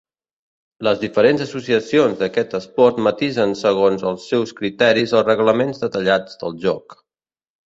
Les diferents associacions d'aquest esport matisen segons els seus criteris els reglaments detallats del joc.